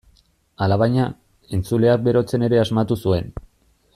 Alabaina, entzuleak berotzen ere asmatu zuen.